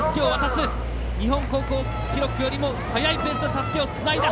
日本高校記録よりも速いペースでたすきつないだ。